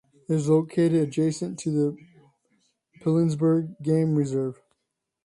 It is located adjacent to the Pilanesberg Game Reserve.